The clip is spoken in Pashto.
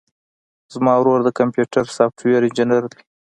زما ورور د کمپيوټر سافټوېر انجينر دی.